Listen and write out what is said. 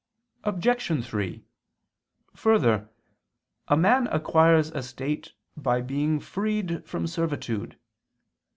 Obj. 3: Further, a man acquires a state by being freed from servitude.